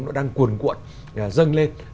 nó đang cuồn cuộn dâng lên